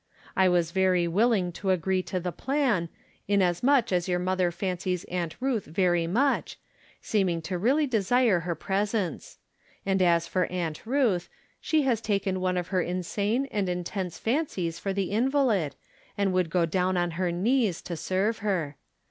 I was very willing to agree to the plan, inasmuch as your mother fancies Aunt Ruth very much, seeming to really desire her presence ; and as for Aunt Ruth, she has taken one of her in sane and intense fancies for the invalid, and would go down on her knees to serve her.